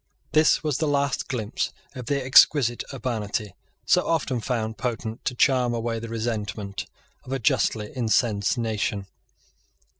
This was the last glimpse of the exquisite urbanity, so often found potent to charm away the resentment of a justly incensed nation.